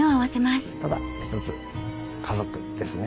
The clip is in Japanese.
ただ一つ家族ですね